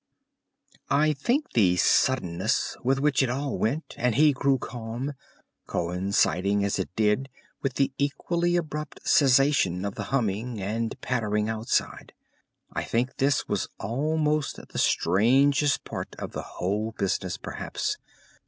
I think the suddenness with which it all went and he grew calm, coinciding as it did with the equally abrupt cessation of the humming and pattering outside—I think this was almost the strangest part of the whole business perhaps.